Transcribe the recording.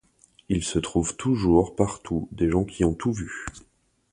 Il se trouve toujours partout des gens qui ont tout vu.